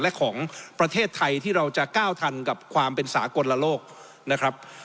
และของประเทศไทยที่เราจะก้าวทันกับความเป็นสากลโลกนะครับ